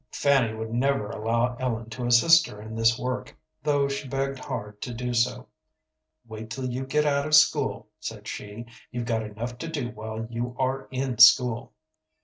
Fanny would never allow Ellen to assist her in this work, though she begged hard to do so. "Wait till you get out of school," said she. "You've got enough to do while you are in school."